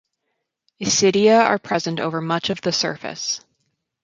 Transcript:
Isidia are present over much of the surface.